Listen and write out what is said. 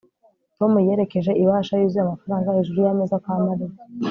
tom yerekeje ibahasha yuzuye amafaranga hejuru yameza kwa mariya